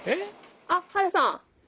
あっハルさん！